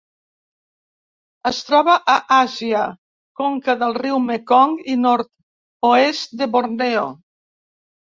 Es troba a Àsia: conca del riu Mekong i nord-oest de Borneo.